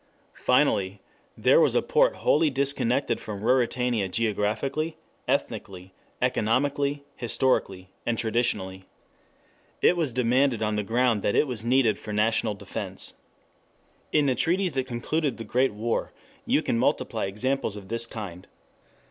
Finally, there was a port wholly disconnected from Ruritania geographically, ethnically, economically, historically, traditionally. It was demanded on the ground that it was needed for national defense. In the treaties that concluded the Great War you can multiply examples of this kind.